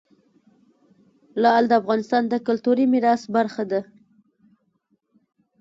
لعل د افغانستان د کلتوري میراث برخه ده.